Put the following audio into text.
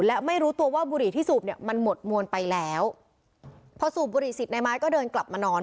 และไม่รู้ตัวว่าบุหรี่ที่สูบเนี่ยมันหมดมวลไปแล้วพอสูบบุหรี่เสร็จนายไม้ก็เดินกลับมานอน